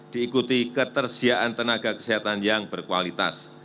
diikuti ketersediaan tenaga kesehatan yang berkualitas